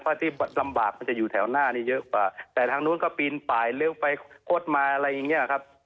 เพราะที่ลำบากมันจะอยู่แถวหน้านี้เยอะกว่าแต่ทางนู้นก็ปีนป่ายเร็วไปคดมาอะไรอย่างเงี้ยครับ